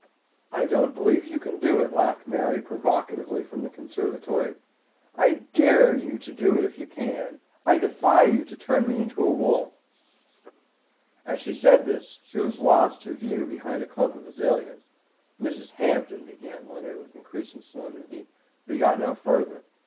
"I don't believe you can do it," laughed Mary provocatively from the conservatory; "I dare you to do it if you can. I defy you to turn me into a wolf." As she said this she was lost to view behind a clump of azaleas. "Mrs. Hampton—" began Leonard with increased solemnity, but he got no further.